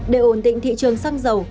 để ổn định thị trường xăng dầu